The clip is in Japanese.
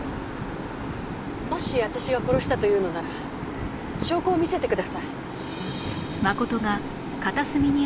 もし私が殺したというのなら証拠を見せてください。